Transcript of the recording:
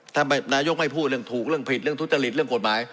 ถ้านายกไม่พูดเรื่องถูกเรื่องผิดเรื่องทุจริตเรื่องกฎหมาย